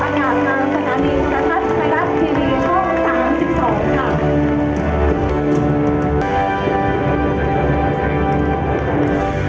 อาหารทางสนานีกระทัดไทยรัฐทีวีห้อง๓๒ครับ